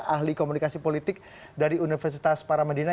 ahli komunikasi politik dari universitas paramedina